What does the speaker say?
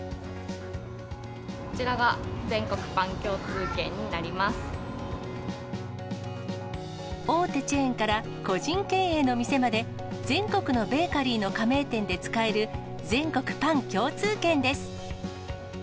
こちらが全国パン共通券にな大手チェーンから個人経営の店まで、全国のベーカリーの加盟店で使える、全国パン共通券です。